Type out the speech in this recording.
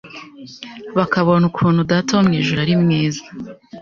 bakabona ukuntu Data wo mu ijuru ari mwiza